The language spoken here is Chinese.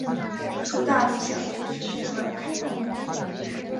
孰大孰小其实是个开放问题。